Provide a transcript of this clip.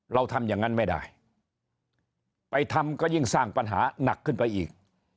เราทำอย่างนั้นไม่ได้ไปทำก็ยิ่งสร้างปัญหาหนักขึ้นไปอีก